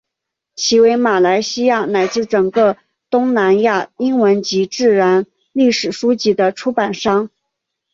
其为马来西亚乃至整个东南亚英文及自然历史书籍的出版商。